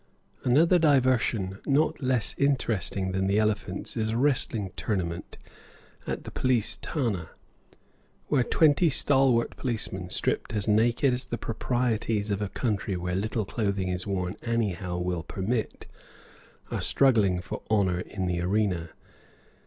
Another diversion not less interesting than the elephants is a wrestling tournament at the police thana, where twenty stalwart policemen, stripped as naked as the proprieties of a country where little clothing is worn anyhow will permit, are struggling for honor in the arena.